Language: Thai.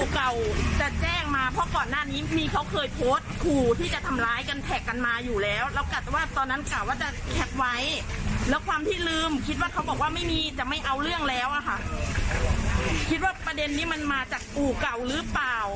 ข้าว่าจะแคลกไว้ก็คิดว่ากลับมือมาจากปู่เก่าหรือเปล่า